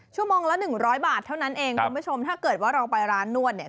ชั่วโมงละหนึ่งร้อยบาทเท่านั้นเองคุณผู้ชมถ้าเกิดว่าเราไปร้านนวดเนี่ย